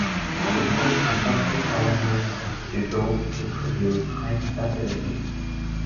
Typical conductive polymers must be "doped" to produce high conductivity.